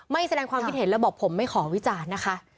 แสดงความคิดเห็นแล้วบอกผมไม่ขอวิจารณ์นะคะ